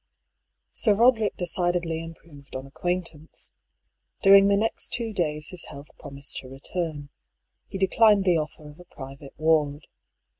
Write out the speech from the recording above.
Sir Roderick decidedly improved on acquaintance. During the next two days his health promised to return. He declined the offer of a private ward.